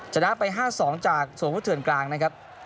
ชนะไป๕๒จากสวพุทธเถื่อนกลางนะครับ